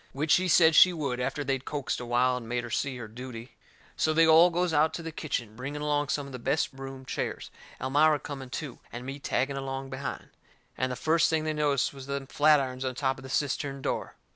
Which she said she would after they'd coaxed a while and made her see her duty. So they all goes out to the kitchen, bringing along some of the best room chairs, Elmira coming too, and me tagging along behind. And the first thing they noticed was them flatirons on top of the cistern door.